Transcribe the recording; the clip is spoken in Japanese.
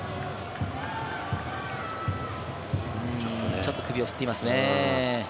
ちょっと首を振っていますね。